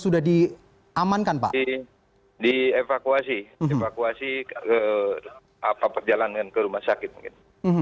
di evakuasi perjalanan ke rumah sakit mungkin